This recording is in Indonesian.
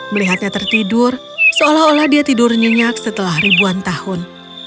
melihatnya tertidur seolah olah dia tidur nyenyak setelah ribuan tahun